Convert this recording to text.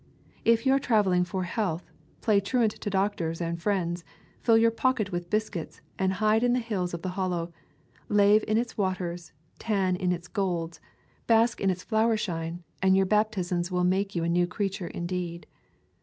If you are traveling for health, play truant to doctors and friends, fill your pocket with biscuits, and hide in the hills of the Hollow, lave in its waters, tan in its golds, bask in its flower shine, and your baptisms will [ 210 ] Twenty Fill Hollow make you a new creature indeed.